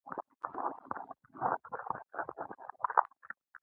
تاسې يې کله هم فکر نه شئ کولای.